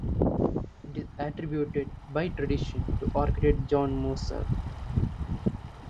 It is attributed "by tradition" to architect John Moser.